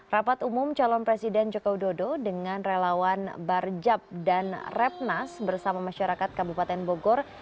rapat umum calon presiden jokowi dodo dengan relawan barjab dan repnas bersama masyarakat kabupaten bogor